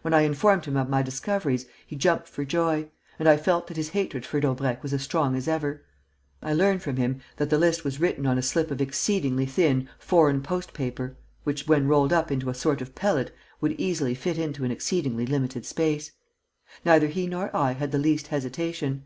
When I informed him of my discoveries, he jumped for joy; and I felt that his hatred for Daubrecq was as strong as ever. I learnt from him that the list was written on a slip of exceedingly thin foreign post paper, which, when rolled up into a sort of pellet, would easily fit into an exceedingly limited space. Neither he nor I had the least hesitation.